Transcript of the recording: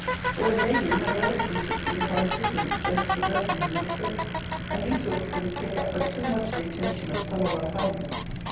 Or, it may be, my brother is insisting upon equivalents for his reversion in the estate: and these sort of things take up but too much the attention of some of our family.